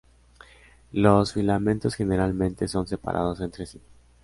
Los filamentos generalmente son separados entre sí.